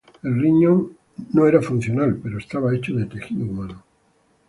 El riñón no era funcional, pero estaba hecho de tejido humano.